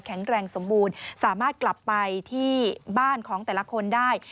แรงสมบูรณ์สามารถกลับไปที่บ้านของแต่ละคนได้